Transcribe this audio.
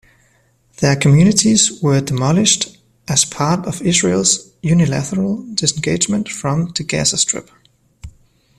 Their communities were demolished as part of Israel's unilateral disengagement from the Gaza Strip.